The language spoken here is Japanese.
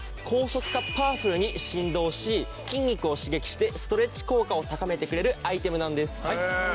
高速かつパワフルに振動し筋肉を刺激してストレッチ効果を高めてくれるアイテムなんです。